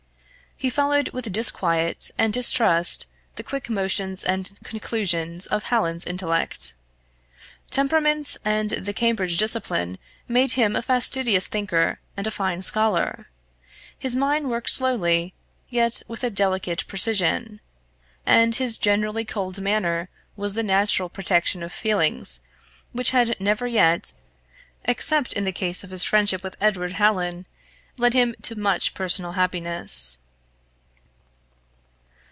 He followed with disquiet and distrust the quick motions and conclusions of Hallin's intellect. Temperament and the Cambridge discipline made him a fastidious thinker and a fine scholar; his mind worked slowly, yet with a delicate precision; and his generally cold manner was the natural protection of feelings which had never yet, except in the case of his friendship with Edward Hallin, led him to much personal happiness.